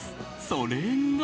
それが。